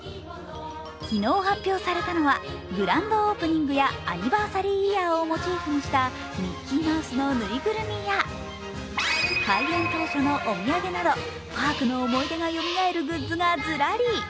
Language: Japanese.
昨日発表されたのは、グランドオープニングやアニバーサリーイヤーをモチーフにしたミッキーマウスのぬいぐるみや開園当初のお土産などパークの思い出がよみがえるグッズがずらり。